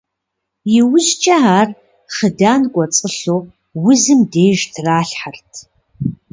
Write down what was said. Иужькӏэ ар хъыдан кӏуэцӏылъу узым деж тралъхьэрт.